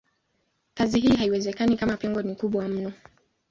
Kazi hii haiwezekani kama pengo ni kubwa mno.